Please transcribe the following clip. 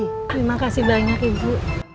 terima kasih banyak ibu